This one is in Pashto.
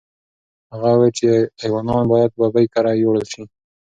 هغه وویل چې ایوانان باید ببۍ کره یوړل شي.